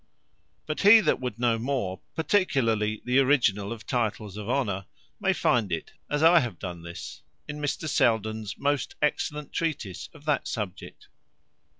But he that would know more particularly the originall of Titles of Honour, may find it, as I have done this, in Mr. Seldens most excellent Treatise of that subject.